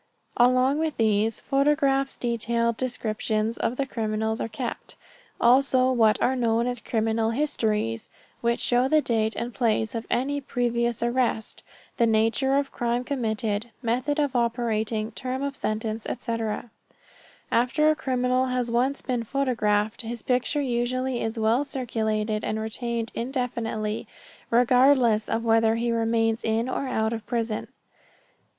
Along with these photographs detailed descriptions of the criminals are kept, also what are known as criminal histories which show the date and place of any previous arrest, the nature of crime committed, method of operating, term of sentence, etc. After a criminal has once been photographed his picture usually is well circulated and retained indefinitely, regardless of whether he remains in or out of prison.